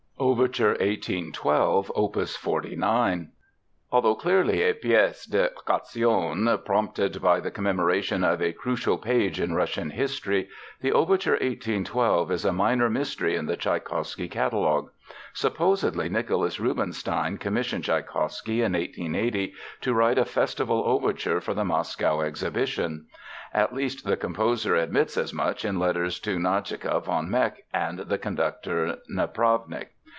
Overture 1812, OPUS 49 Although clearly a pièce d'occasion prompted by the commemoration of a crucial page in Russian history, the Overture 1812 is a minor mystery in the Tschaikowsky catalogue. Supposedly Nicholas Rubinstein commissioned Tschaikowsky in 1880 to write a festival overture for the Moscow Exhibition. At least the composer admits as much in letters to Nadezhka von Meck and the conductor Napravnik.